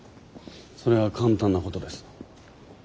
それは簡単なことです。